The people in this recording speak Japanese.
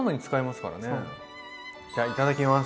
じゃいただきます。